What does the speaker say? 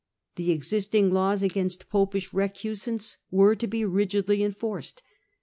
The existing laws against Popish recusants were to be rigidly enforced.